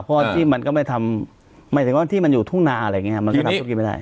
เพราะที่มันก็ไม่ทำหมายถึงว่าที่มันอยู่ทุ่งนาอะไรอย่างนี้มันก็ทำธุรกิจไม่ได้